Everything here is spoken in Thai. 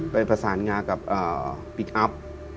ไปประสานงานกับปิ๊กอัพ